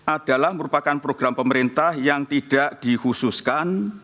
adalah merupakan program pemerintah yang tidak dikhususkan